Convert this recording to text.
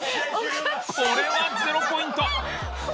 これは０ポイント。